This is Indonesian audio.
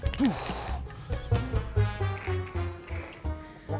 udah sini aja